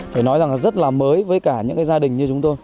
phải nói rằng là rất là mới với cả những gia đình như chúng tôi